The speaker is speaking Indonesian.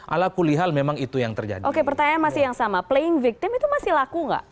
ala kulihal memang itu yang terjadi oke pertanyaan masih yang sama playing victim itu masih laku nggak